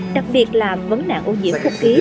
đặc biệt là vấn nạn ô nhiễm phục ký